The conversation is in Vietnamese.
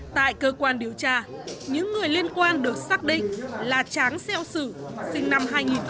tại cơ quan điều tra những người liên quan được xác định là tráng xeo sử sinh năm hai nghìn